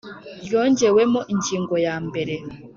ryongewemo ingingo ya mbere.